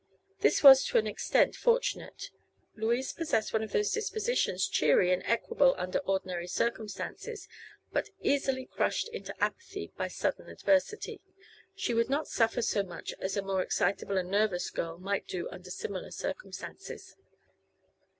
This was to an extent fortunate. Louise possessed one of those dispositions cheery and equable under ordinary circumstances, but easily crushed into apathy by any sudden adversity. She would not suffer so much as a more excitable and nervous girl might do under similar circumstances.